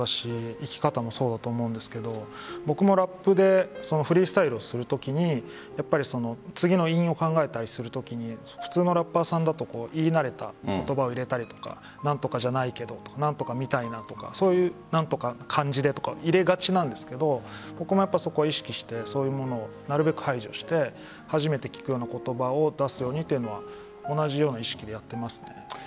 生き方もそうだと思うんですけど僕もラップでフリースタイルをするときに次の韻を考えたりするときに普通のラッパーさんだと言い慣れた言葉を入れたりとか何とかじゃないけど何とかみたいなとかそういう何とか感じでとか入れがちですが僕はそこを意識してそういうものをなるべく排除して初めて聞くような言葉を出すようにというのは同じような意識でやっています。